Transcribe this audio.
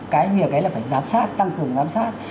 cái việc ấy là phải giám sát tăng cường giám sát